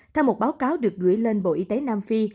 theo một báo cáo được gửi lên bộ y tế nam phi